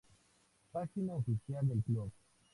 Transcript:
Página oficial del club